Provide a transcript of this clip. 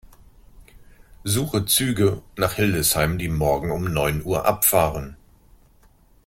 Suche Züge nach Hildesheim, die morgen um neun Uhr abfahren.